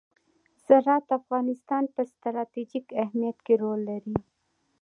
زراعت د افغانستان په ستراتیژیک اهمیت کې رول لري.